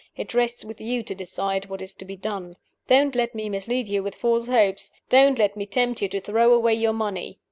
It rests with you to decide what is to be done. Don't let me mislead you with false hopes! Don't let me tempt you to throw away your money!